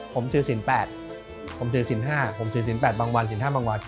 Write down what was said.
ผมทื้อศีล๘ผมทื้อศีล๕บางวัน